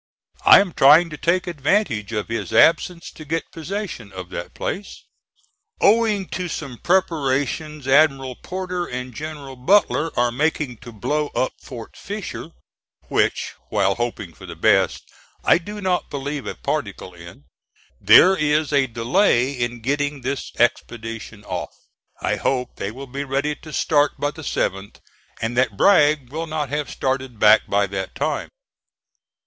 I am trying to take advantage of his absence to get possession of that place. Owing to some preparations Admiral Porter and General Butler are making to blow up Fort Fisher (which, while hoping for the best, I do not believe a particle in), there is a delay in getting this expedition off. I hope they will be ready to start by the 7th, and that Bragg will not have started back by that time.